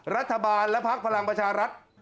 รัฐบาลและพักพลังประชารัฐ